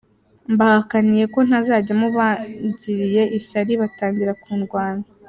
Mbahakaniye ko ntazajyamo bangiriye ishyari batangira kundwanya.